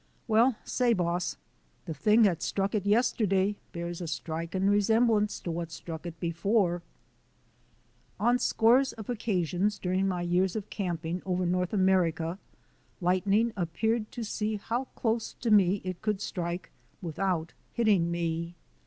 "Well, say, boss, the thing what struck it yester day bears a strikin' 'semblance to what struck it before. ,, i2 4 THE ADVENTURES OF A NATURE GUIDE On scores of occasions during my years of camp ing over North America lightning appeared to see how close to me it could strike without hitting me.